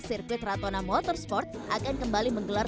sirkuit ratona motorsport akan kembali menggelar